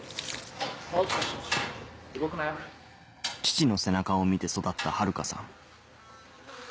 父の背中を見て育った春花さん